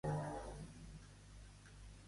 A què fa referència Xayan?